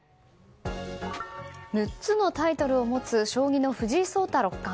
６つのタイトルを持つ将棋の藤井聡太六冠。